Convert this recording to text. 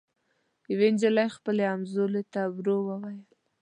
یوې نجلۍ خپلي همزولي ته ورو ووېل